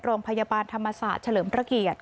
โรงพยาบาลธรรมศาสตร์เฉลิมพระเกียรติ